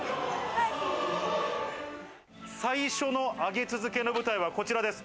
最初の上げ続けの舞台は、こちらです。